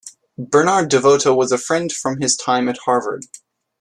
Bernard DeVoto was a friend from his time at Harvard.